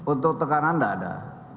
untuk tekanan tidak ada